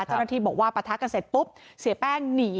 เจ้าหน้าที่บอกว่าปะทะกันเสร็จปุ๊บเสียแป้งหนี